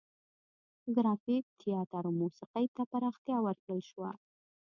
ګرافیک، تیاتر او موسیقي ته پراختیا ورکړل شوه.